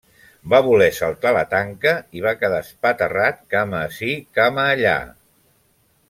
Va voler saltar la tanca i va quedar espaterrat cama ací, cama allà.